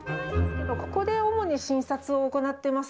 ここで主に診察を行ってます。